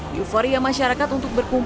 euforia masyarakat untuk berkerumunan